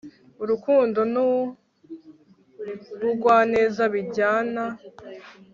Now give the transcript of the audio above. urukundo n'ubugwaneza bijyana